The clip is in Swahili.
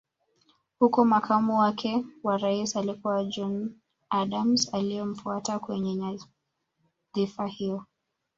Huku makamu wake wa Rais alikuwa John Adams aliyemfuata kwenye nyadhifa hiyo